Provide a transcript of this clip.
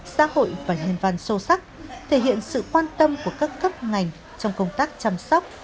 xã hội và nhân văn sâu sắc thể hiện sự quan tâm của các cấp ngành trong công tác chăm sóc